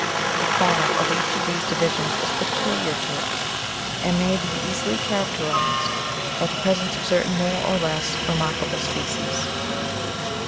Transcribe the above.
The fauna of each of these divi sions is peculiar to it, and may be easily characterized by the presence of certain more or less remarkable species.